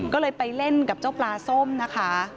ก็เลยไปเล่นกับเจ้าปลาส้มนะคะ